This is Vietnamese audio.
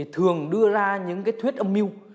thường đưa ra những thuyết âm mưu